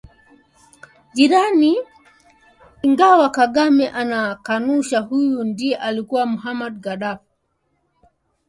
jirani ingawa Kagame anakanushaHuyu ndiye Muammar Gaddafi aliyeiongoza Libya kwa miongo minne bila